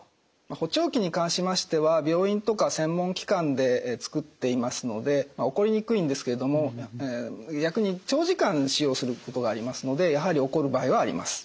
補聴器に関しましては病院とか専門機関で作っていますので起こりにくいんですけれども逆に長時間使用することがありますのでやはり起こる場合はあります。